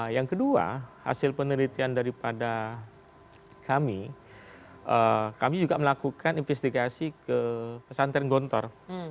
yang kedua hasil penelitian daripada kami kami juga melakukan investigasi ke pesantren gontor